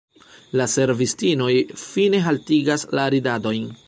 La servistinoj fine haltigas la ridadojn.